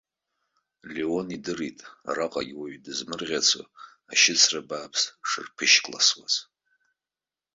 Леон идырит араҟагьы уаҩ дызмырӷьацо ашьыцра бааԥс шырԥышькласуаз.